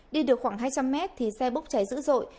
đi được khoảng hai trăm linh mét thì xe bốc cháy dữ dội